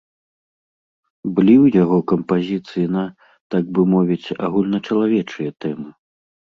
Былі ў яго кампазіцыі на, так бы мовіць, агульначалавечыя тэмы.